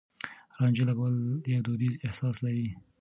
رانجه لګول يو دوديز احساس لري.